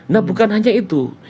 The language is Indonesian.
nah bukan hanya itu